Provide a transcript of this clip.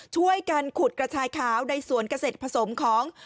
ช่วยกันขุดกระชายขาวในสวนเกษตรผสมของ